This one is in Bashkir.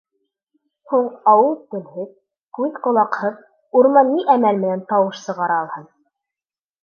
Һуң, ауыҙ-телһеҙ, күҙ-ҡолаҡһыҙ урман ни әмәл менән тауыш сығара алһын?